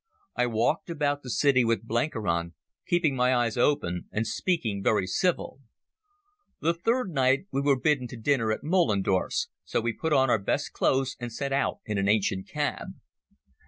I walked about the city with Blenkiron, keeping my eyes open, and speaking very civil. The third night we were bidden to dinner at Moellendorff's, so we put on our best clothes and set out in an ancient cab.